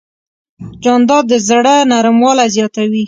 جانداد د زړه نرموالی زیاتوي.